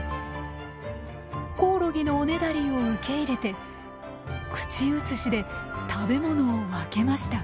コオロギのおねだりを受け入れて口移しで食べ物を分けました。